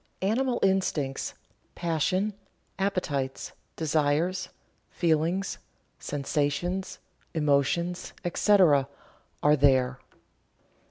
Animal instincts passions, appetites, desires, feelings, sensations, emotions, etc., are there.